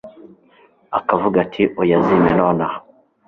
akavuga ati oya zimpe nonaha